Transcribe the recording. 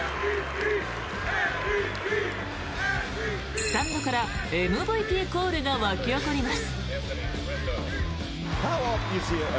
スタンドからＭＶＰコールが沸き起こります。